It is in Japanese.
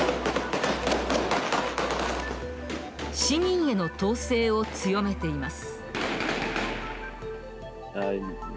市民への統制を強めています。